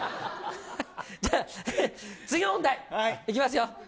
じゃあ、次の問題、いきますよ。